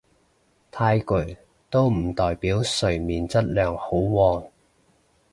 太攰都唔代表睡眠質素好喎